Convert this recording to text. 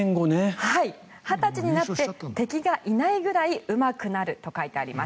２０歳になって敵がいなくなるぐらいうまくなると書いてあります。